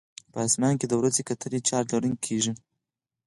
په اسمان کې د وریځو کتلې چارج لرونکي کیږي.